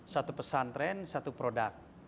satu pesantren satu produk